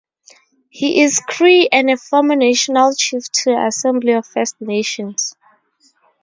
He is Cree and a former National Chief of the Assembly of First Nations.